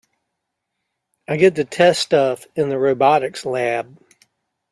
I get to test stuff in the robotics lab.